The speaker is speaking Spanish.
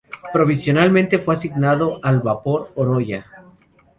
Provisionalmente fue asignado al vapor "Oroya".